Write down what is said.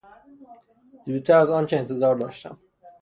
زودتر از آنچه انتظار داشتم